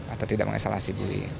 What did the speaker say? atau tidak menyesalasi buoi